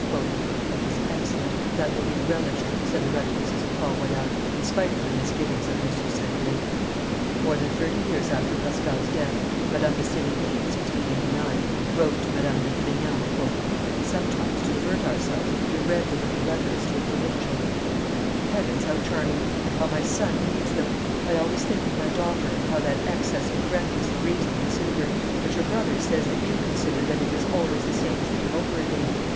"That is excellent; that will be relished," said the recluses of Port Royal, in spite of the misgivings of M. Singlin. More than thirty years after Pascal's ddath, Madame de Sevigne, in 1689, wrote to Madame de Grignan, "Sometimes, to divert ourselves, we read the little Letters (to a provincial). Good heavens, how charming! And how my son reads them! I always think of my daughter, and how that excess of correctness of reasoning would suit her; but your brother says that you consider that it is always the same thing over again.